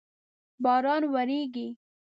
باران وریږی